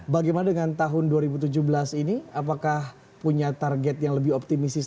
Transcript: bagaimana dengan tahun dua ribu tujuh belas ini apakah punya target yang lebih optimis